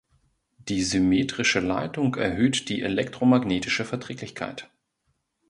Die symmetrische Leitung erhöht die elektromagnetische Verträglichkeit.